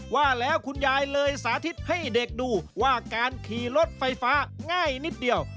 ว่าแล้วคุณยายเลยสาธิตให้เด็กดูว่าการขี่รถไฟฟ้าง่ายนิดเดียว